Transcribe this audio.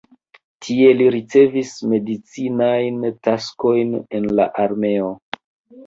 Tie li ricevis medicinajn taskojn en la armeo.